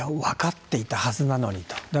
分かっていたはずなのにと。